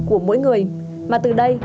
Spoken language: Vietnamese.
của mỗi người mà từ đây